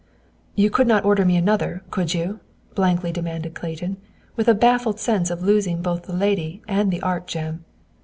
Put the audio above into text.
"You could not order me another, could you?" blankly demanded Clayton, with a baffled sense of losing both the lady and the art gem.